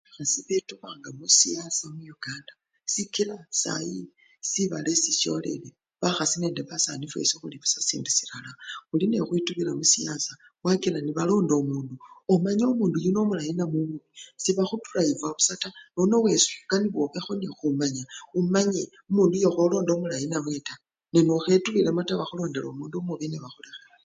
Bakhasi betubanga musuyasa muyukanda sikila sayi sibala esisyolele, bakhasi nende basani fwesi khulibusa sindu silala, khuli nekhukhwitubila musiyasa kakila nebalonde omundu, omanye omundu yuno omulayi namwe omubi, sebakhudrayiva busa taa nono wesi okanibwa obekho nekhumanya, omanye omundu yekholonda omulayi namwe taa neno khetubilemo taa bakhulondela omundu omubi nebakhulekhela.